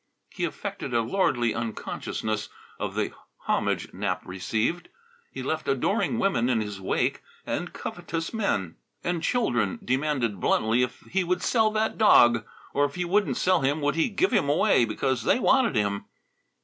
He affected a lordly unconsciousness of the homage Nap received. He left adoring women in his wake and covetous men; and children demanded bluntly if he would sell that dog; or if he wouldn't sell him would he give him away, because they wanted him.